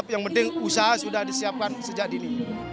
yang penting usaha sudah disiapkan sejak dini